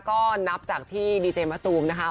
ก็นับจากที่ดีเจมะตูมนะคะ